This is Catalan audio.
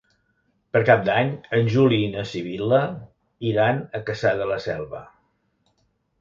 Per Cap d'Any en Juli i na Sibil·la iran a Cassà de la Selva.